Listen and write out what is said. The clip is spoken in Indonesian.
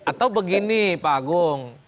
atau begini pak agung